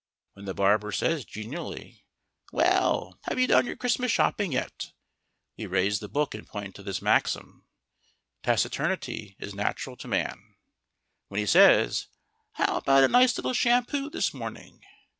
When the barber says, genially, "Well, have you done your Christmas shopping yet?" we raise the book and point to this maxim: Taciturnity is natural to man. When he says, "How about a nice little shampoo this morning?"